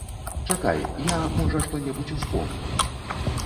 Чакай, я, можа, што-небудзь успомню.